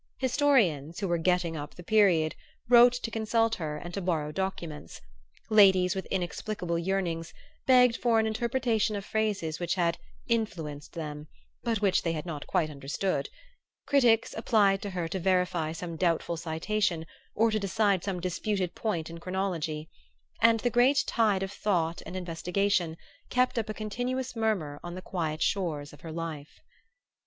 Historians who were "getting up" the period wrote to consult her and to borrow documents; ladies with inexplicable yearnings begged for an interpretation of phrases which had "influenced" them, but which they had not quite understood; critics applied to her to verify some doubtful citation or to decide some disputed point in chronology; and the great tide of thought and investigation kept up a continuous murmur on the quiet shores of her life.